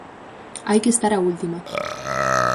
Hai que estar á última.